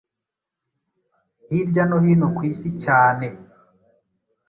hirya no hino ku isi cyane